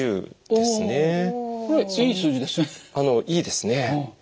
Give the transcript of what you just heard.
いいですね。